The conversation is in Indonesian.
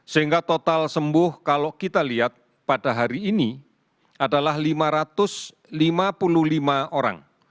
sehingga total sembuh kalau kita lihat pada hari ini adalah lima ratus lima puluh lima orang